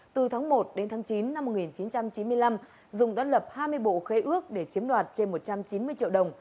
từ tháng một đến tháng chín năm một nghìn chín trăm chín mươi năm dung đã lập hai mươi bộ khe ước để chiếm đoạt trên một trăm chín mươi triệu đồng